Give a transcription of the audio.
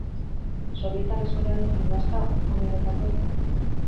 Sobietar Eskolaren gimnasta onenetakoa izan zen.